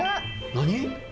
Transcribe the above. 何？